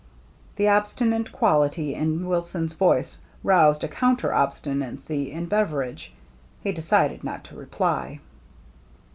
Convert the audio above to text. The obstinate quality in Wilson's voice roused a counter obstinacy in Beveridge. He decided not to reply.